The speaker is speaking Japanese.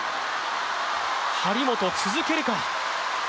張本、続けるか。